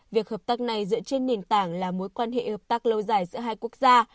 việc hợp tác này dựa trên nền tảng là mối quan hệ hợp tác lâu dài giữa hai quốc gia